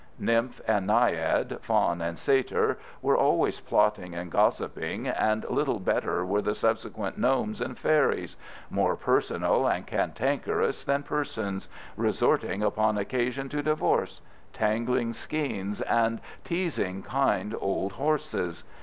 Nymph and naiad, faun and satyr, were always plotting and gossiping, and little better were the subsequent gnomes and fairies—more personal and cantankerous than persons; resorting upon occasion to divorce; tangling skeins, and teasing kind old horses.